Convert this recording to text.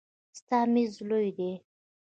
ستا میز لوی دی.